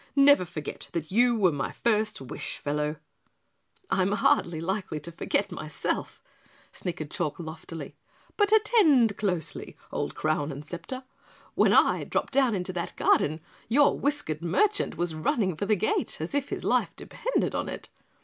"Never forget that you were my first wish, fellow." "I'm hardly likely to forget myself," snickered Chalk loftily, "but attend closely, old Crown and Scepter, when I dropped down into that garden yon whiskered merchant was running for the gate as if his life depended on it.